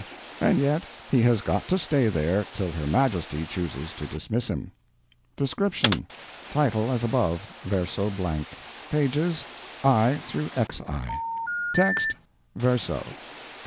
and yet he has got to stay there till Her Majesty chooses to dismiss him.) DESCRIPTION: Title as above, verso blank; pp. [i] xi, text; verso p.